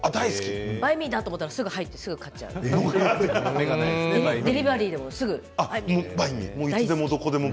バインミーだと思ったらすぐに入って買って食べちゃうデリバリーでも大好き。